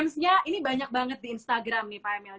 kansnya ini banyak banget di instagram nih pak emil